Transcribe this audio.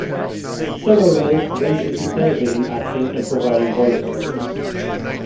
Somerville went into television acting and providing voice-overs.